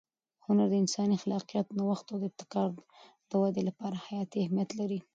هنر د انساني خلاقیت، نوښت او ابتکار د وده لپاره حیاتي اهمیت لري.